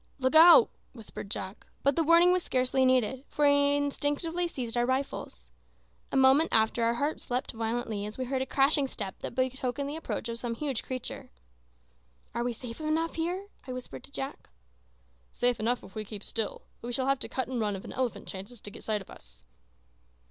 "Look out!" whispered Jack; but the warning was scarcely needed, for we instinctively seized our rifles. A moment after our hearts leaped violently as we heard a crashing step that betokened the approach of some huge creature. "Are we safe here?" I whispered to Jack. "Safe enough if we keep still. But we shall have to cut and run if an elephant chances to get sight of us."